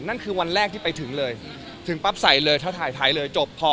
นั่นคือวันแรกที่ไปถึงเลยถึงปั๊บใส่เลยถ้าถ่ายท้ายเลยจบพอ